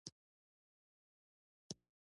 له ولایتونو څخه پلازمېنې ته لېږدول کېدل.